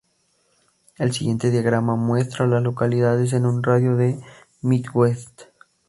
El siguiente diagrama muestra a las localidades en un radio de de Midwest.